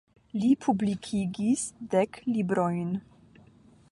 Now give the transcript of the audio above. Li publikigis dek librojn.